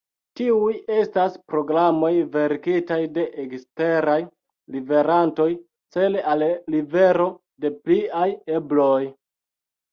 Tiuj estas programoj verkitaj de eksteraj liverantoj, cele al livero de pliaj ebloj.